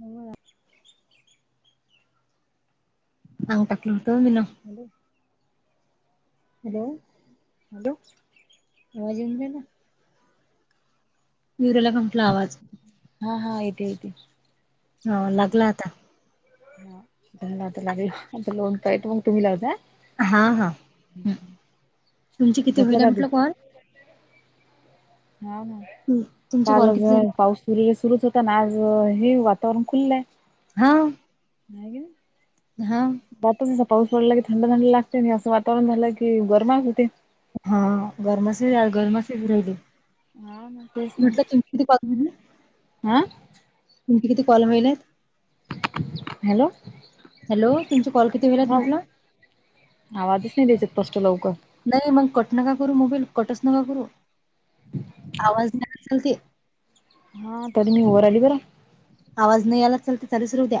व्हय [inaudible] आंग टाकल होतो मीन हॅलो हॅलो हॅलो अ जेवण झालं. येऊन राहिला का म्हटलं आवाज हा हा येते येते. हा हम्म लागला आता. हा मला त लागला आता दोन काय दोन तुम्ही लावता? हा हा तुमची किती झोपला हुईला दादू. म्हटलं कॉल. हा हा हं, तुमचे कॉल कालज किती नाही झाले पाऊस - हे सुरूच होतं आन आज हे वातावरण खुललंय. हा. नाय घिण. हा. बातूनीचा पाऊस पडला की थंड थंड लागतय आणि असं वातावरण झालं की गरमाय होतय. हा गरमस गरमस येऊन राहिली हा ना तेच ना. म्हटलं तुमची किती कॉल झाले. हा. तुमची किती कॉल होईल्यात. हॅलो. हॅलो तुमचे कॉल किती होईल आहेत हव म्हटलं आवाजच नई त्याच्यात स्पष्ट लवकर नाय मग कट नका करू मोबाईल कटच नका करू आवाज नाही आला चालते. हा तरी मी वर आली बर. आवाज नाही आला चालते चालूच राहूद्या.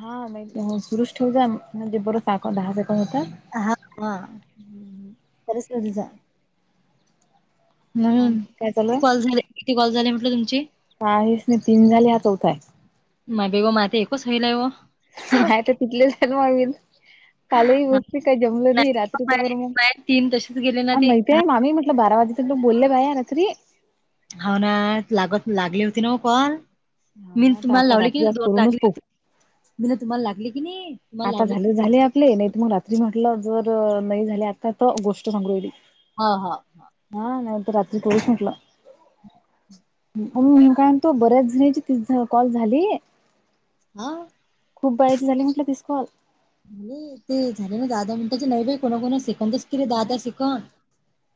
हा माई सुरुच ठेव जा म्हजे परत बॅकअप बाहेर जाता जाता हा हा [unintelligible] जा हम आणखी काय चालू किती आहे? कॉल झाले. किती कॉल झाले. म्हटलं तुमचे. काहीच नाही तीन झाले हा चौथा आहे. म बेगो मा ते एकोच सैलायो. माय तर तिथलेचण मवीन. कालही बसते काय जमलं नई नाही, रात्री तर माय बरं मग. माय तीन तसेच गेले ना अ ते माहित हा आहे मामी म्हटलं बारा वाजे तर लोक बोलले बाया या रात्री. हा ना लागत लागली होती ना कॉल हो मी ना आता तुम्हाला आता लावली की रात्री आज दोन करूनच लागले पाहू होती. मीन तुम्हाला लागली होती की नाही. आता लावले की झाले नाही झाले लागले. आपले नाही तर मग रात्री म्हटलं जर नाही झाले आता तर गोष्ट सांगू येले. हा हा. हा नाही तर रात्री तोलस म्हटलं. म मी काय म्हंतोय तो बऱ्याच जणची ती कॉल झाली. हा खूप बायाच झाली म्हटलं तीस कॉल. नाय ते झाले ना दाहा दहा मिनिटाचे नाही बाई कोणा कोणाचे सेकंदच. केले दहा हा दहा सेकंद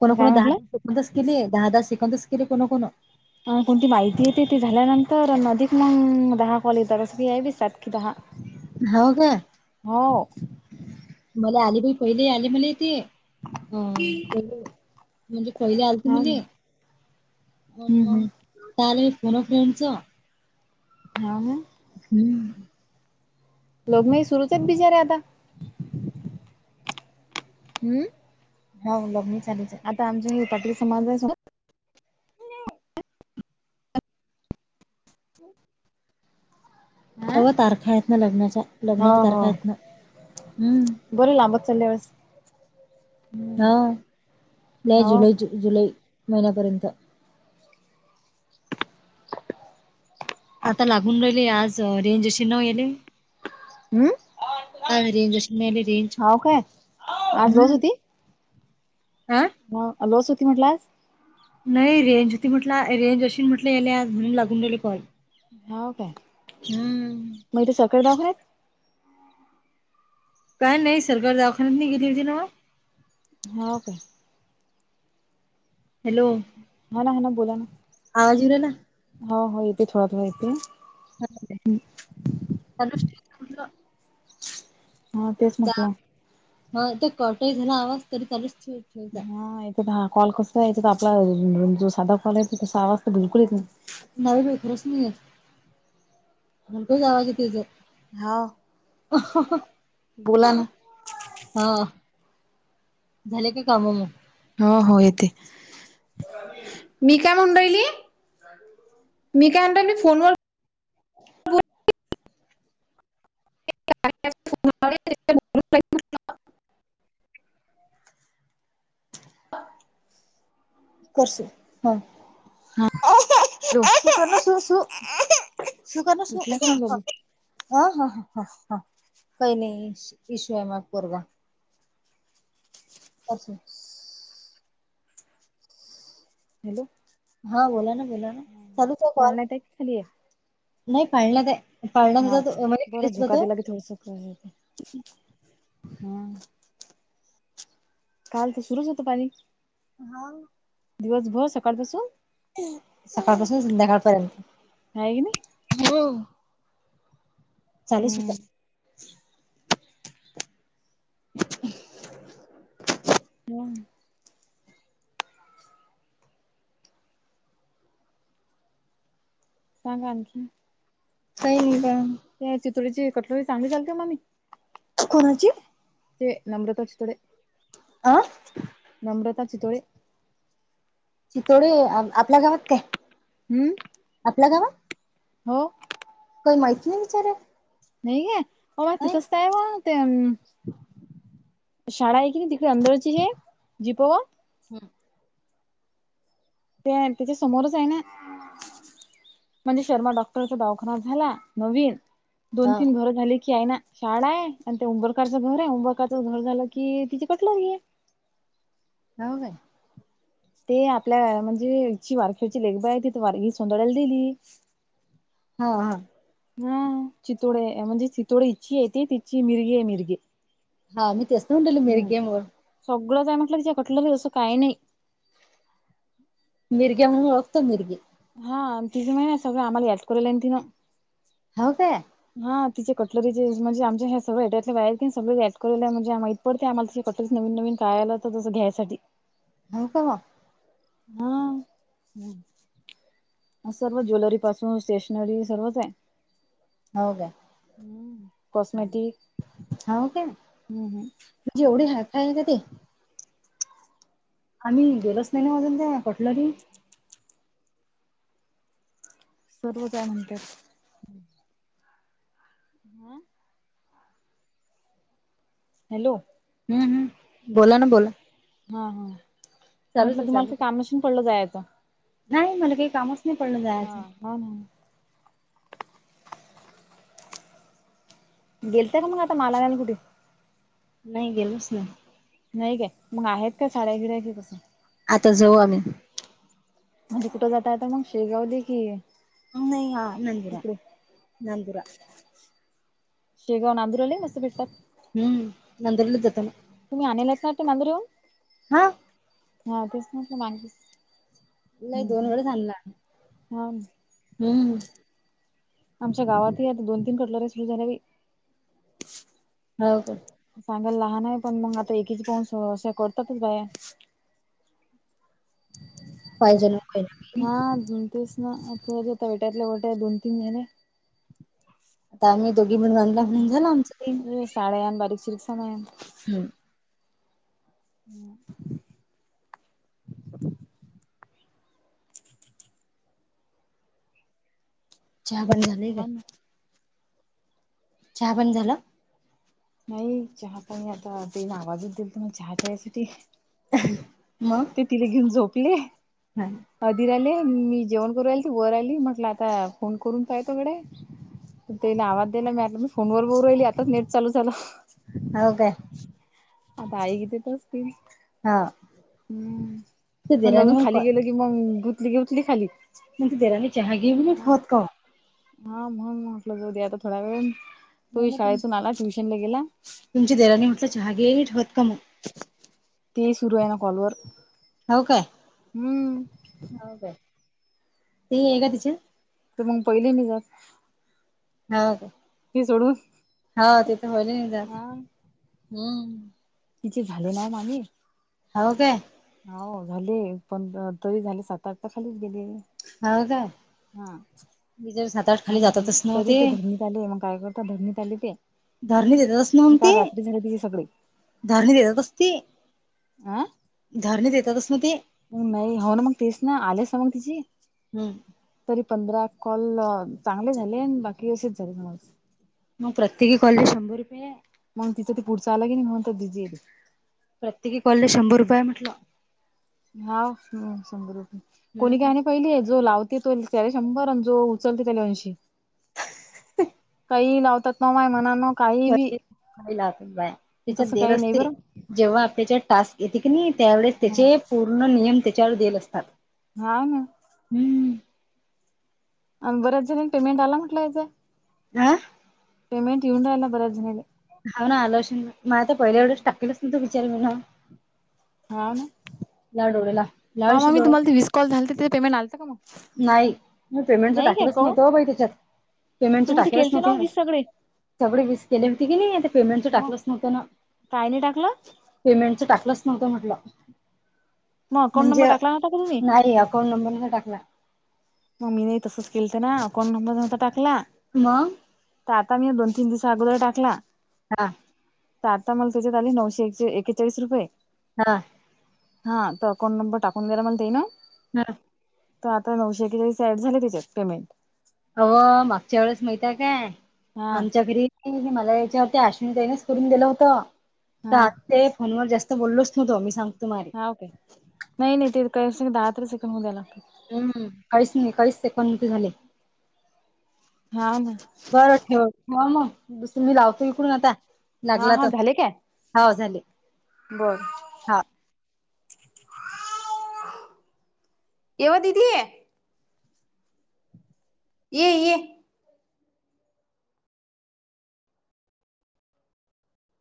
कोन काय कोन दहा म्हटलं दहा सेकंदच केले दहा दहा सेकंदच केले कोन कोन. अ कोणती माहिती येते ती झाल्यानंतर अधिक मग दहा कॉल येतात आस यात दिसतात की दहा. हो का हो मला आले बाई पहिले आले मले ते. अ पहीले म्हणजे पहिले आल ते हा म्हे ना अ हम्म हम्म मग त आलय फोन फ्रेंड च. हाव ना? हम्म. लग्नय सुरूच हायत बिचाऱ्या आता. हम्म. हो लग्नी चालूच आहे. आता आमच्या हे पाटील समाज नाही सो [inaudible] हा अव तारखा आहेत ना लग्नाच्या लग्नाच्या तारखा आहेत ना. हम्म बोल लांबत चाललय घ्या वेळस हा नाही हो जुलै जुलै महिन्यापर्यंत. आतां लागूंन राहिले आंज रेंज अशी नं येले हम्म अ रेंज अशी नं रेंज हो काय आज हम्मं हां हं अमांवस मोती आंज म्हटलं नाहीं रेंज होती म्हटलं रेंज अशी म्हटलं यांलेजं म्हणूंन लागूंन राहीले कॉल हांव कायं हम्मं मंग ते सरकांरी दवाखान्यांत कायं नाहीं सरकांर दवाखांन्यातं नाहीं गेलीं होती नं वं हंव कायं हॅलो हां नां हां नां बोलां नं आवाजं येऊं राहिलां हंव हंव येते थोडां थोडां येते जालूचंठि हं तेचं म्हटलं हां ते कंटही झालां आवांज तरी चालुचं तीचं हां इथं तरं हां कॉल कसां आहे आपलां जो सांधा कॉल आहे तं तसां आवांज तरं बिलकुंल येतं नाहीं हांव नं खरंच नाहीं येतं म्हणको जावांच येते जं हा अ बोला ना [unintelligible] हं झाले कायं कामं मंग. हो हो येते. मी कायं म्हंणीरांईली मी कायं म्हणतं मी फोनवरं. [unintelligible] हं. करशुं हां हा हॅलो. करणं सु सु सुं करणं उठला का सुं. माय बाबू हं हां हं कायं नाहीं पिशंवायमांय पोरगां असं. हॅलो. हां बोलां नां बोलां नां चालूंच आहे कॉल चालण्यात की खाली आहे नाहीं पायंला कायं पाळण्यांमंध्ये ओमेटीगं केली असंती तरं हम. [unintelligible] [unintelligible] कांल तरं सुरूंच होतं पाणी. हां दिवसं भरं सकाळंपासूंन सकाळं पासूंन संध्याकांळपर्यंत हायं की नाहीं हो चालूंच हम्म. होतं हंम. सांगा आणखिं कांहीं नाहीं बां. ते चितोडीची कटलरी चांगलं चालतें कां माम्मी. कोणांची. ते रामंदास तंसकडे. अं नम्रतां चितोळे. चितोंडे आपल्यां गावांत कायं. हम्मं. आपल्यां गावांत. हो. काही माहिती नाही विचारे. नाही गे होबा तिथंच आहे ब ते शाळा. क तिकडे अंळची हे जीपवा. हम्. ते त्याच्या समोरच आहे ना. म्हणजे शर्मा डॉक्टरचा दावाखाना झाला नवीन. दोन हा तीन घरं झाले की आहे ना. शाळा आहे आणि ते उंबरकरचं घर आहे उंबरकारचं घर झालं कि तिची कटलंरी आहे. हो काय. ते आपल्या म्हणजे जची वारखेडची लेखबा आहे तिथ वार ही सोंदाळ्याला दिली. हा हा. ह चितोडे म्हणजे चितोडे हिची आहे त तिची मिरगी आहे मिरगे. हा मी तेचत म्हटल मेरी गेम वर. सगळं काय म्हटलं किच्या कटलं असं काही नाही. मिर्ग्या म्हणून ओळखतो मिर्गी. हा तिझं महि सगळं आम्हाला याच करल आहे तिनं. हो काय. हा तिचे कटलरीचे म्हणजे आमच्या्या सगळेट बाहेर सग ऍड म्हणजे माहित. पडते आम्हाला त कतरीच नवीन नवीन पाळायला तर तसं घ्यायसाठी. हो का. हा. हम्म. सर्व ज्वेलरी पासून स्टेशनरी सर्वच आहे. हो काय हम् कॉस्मेटिक हो काय हम्म हम्म. म्हणजे एवढे हाका आहे का ते. आम्ही गेलोच नाही ना मजून ते कटलरी. सर्व हाय म्हणतात. हम्. हा. हॅलो. हम् हम् बोला ना बोला. हा हा चालूच म्हटलं आहे तुम्हाला चालूच काय आहे कामाशीून पडलं जायचं. नाही मला काही कामच नाही पडलं जायचं. हं म. गेलतय का मग आता मला नाही कुठे. नाही गेलोस ना. नाही काय मग आहेत का साड्या घिड्याची कसं. आता जाऊ आम्ही. म्हणजे कुठं जातय तर मग शेगावली की. अ नाही का नंदुरा तिकडे नंदरा. शेगाव नांदुरालाही मस्त भेटतात. हम्म नंद्रल जातना. तुम्ही आणल ना ते नागर येऊन. हा. हा तेच न मागे. नाही दोन हम्म वेळे आणला हम्म हा हम्म. आमच्या गावातही आता दोन तीन कटलरी्या सुरू झाल्या बाई. हो तर. सांगायला लहान आहे पण मग आता एकीच पाऊन अ असशा करतातच बाया. पाहिजे ना काही ना काही हा अजून तेस ना [unintelligible] आता आम्ही दोघी बण बांधला म्हणून झालं आमचं ते शाळेयान बारीक शरीक शाणायान हम्म [inaudible] चहा बनला. हाव ना चहा पाणी झाला. नाही. चहा पाणी आता त्यांनी आवाजच दिलत मग चहा ठेवायसाठी मग ते तिले घेऊन झोपले. [unintelligible] अधीर आले मी जेवण करू आल ती वर आली म्हटलं आता फोन करून पाय तोकडे हाय. त्याने आवाज दीला मि आता मी फोनवर बोलू राहिली. आताच नेट चालू झाल. होय का? आता आई इथेच असतील. हो हम् म्हण अजून खाली गेल की मग गुंतली गेतली खाली म्ह तेरा चहा घे ब हा होत काव हा म्हणून म्हटलं जाऊ दे आता थोड्या वेळ तो नाही ना तुम शाळेेतून आलाच विषय चन्ने गेला, तुमची देराने म्हटलं चहागेट हतकम. तीचे सुरू आहे ना कॉलवर. हो काय हम्म हो काय ते आहे का तिच्या? तर मग पहिले नाही जात. हा का ते सोडून हा ते तर होल नाही जात हा हम्म. तिचे झाले नाही मामी. हो का हो झाले. पण तरी झाले सात आठ तर खालीच गेले. हव काय? हां. निजर साथ आणि तरी ते धरणीत आले. मग काय करता धरणीत आले ते धरणी देतातच आणि नव्ह ते काल रात्री झाली तिझ सगळी, धरणी देतात असती. अ धरणे देतातस म ते, मग नाही हो ना मग तेच ना आलेस ना मग तिची. हम्म तरी पंधरा कॉल चांगले झाले बाकी असेच झाले सज! मग प्रत्येकी कॉलेज शंभर रुपये हाय! मग तिचं ते पुढं आलं की नाही म्हणुन तर ते बिझीे हाय. प्रत्येकी कॉलले शंभर रुपये आहे म्हटल. हाव शंभर रुपये. कोणी काय म्हणे हम्म पहिले जो लावते तो त्याले शंभर अन जो उचलते त्याले अंशी! [inaudible] काही लावतात न्हाय मना न खला बाया त्याच्या तसं देल काही नाही असते बरं जेव्हा आपल्याच्या टास्क? येते की नाही, त्यावेळेस ह त्याचे पूर्ण नियम त्याच्यावर दीयल असतात. हा ना. हम्म बर्याच जणीच पेमेंट आला म्हटलं याच. हा. पेमेंट येऊन राहील बऱ्याच जणांचं. हा ना आलोशन म आता पहिल्या एवढेच टाकेलंच नवतो विचार येऊन राहिला मला. हा लाव डोळे लाव लाव इशू मॅम डोळे तुम्हाला ते विस कॉल झालं तर तिच पेमेंट आलंत का मग? नाही. मी पेमेंटचं नाही काय टाकलंच का नव्हतं बाई त्याच्यात पेमेंटचं तुम्ही तर टाकलंच केलते ना नव्हत. वीस सगळे जेवढ वीस केले होते कणी ते पेमेटं मग टाकलंच नवतं ना. काय नाही टाकल? पेमेंटच टाकलंच नव्हतं म्हटलं मग अकाउंट नंबर म्हणजे टाकला नव्हता का तुम्ही नाही. फोन नंबर नाही टाकला. मग मी तसंच केलत ना अकाउंट नंबर नव्हता टाकला. हम्म, तर आता मी दोन तीन दिवस अगोदर टाकला. हा. तर आता मला त्याच्यात आली नऊशे एकेचाळीस रुपये. हा. हा तो अकाऊंट नंबर टाकून जरा मला देना. हा. तर आता नऊशे एकेचाळीस ऍड झाले त्याच्यात पेमेंट? अ हो, मागच्या वेळेस माहित आहे काय हा आमच्या घरी नाही मला याच्यावरती अश्विन ताईनेच करून दिलं होत हा तर, ते फोनवर जास्त बोललोच नव्हतो मी सांगतो. माझं हा, ओके. नाही नाही ते काही दहा तर सेकंद द्याना. हम्म, काहीच नाही काहीच ते कोणती झाले. हा ना. बर ठेव. ह मग मी लावतो इकडून आता हा लागला तर, हाव झाले. बरं. हा एव्हा दीदी ये. ये ये.